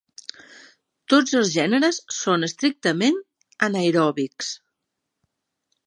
Tots els gèneres són estrictament anaeròbics.